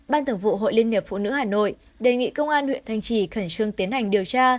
ban thường vụ hội liên hiệp phụ nữ hà nội đề nghị công an huyện thanh trì khẩn trương tiến hành điều tra